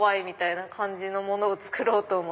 みたいな感じのものを作ろうと。